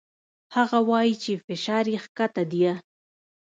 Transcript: هغه وايي چې فشار يې کښته ديه.